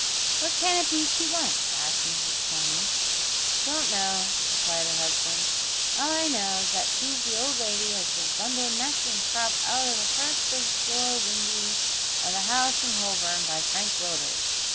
"What can it be she wants?" asked Mrs Corney. "Don't know," replied her husband. "All I know is that she's the old lady as was bundled neck and crop out o' the first floor windy o' the house in Holborn by Frank Willders.